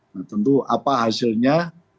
nah tentu apa hasilnya